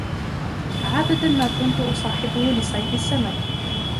عادة ما كنت أصاحبه لصيد السمك.